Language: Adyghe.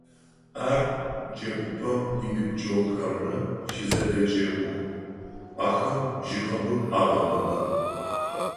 Ар джэгупӏэм иныбджэгъухэмрэ щызэдэджэгух, ахэм жьыгъэбыб агъэбыбы.